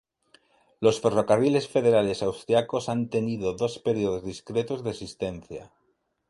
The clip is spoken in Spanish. Los Ferrocarriles Federales Austríacos han tenido dos períodos discretos de existencia.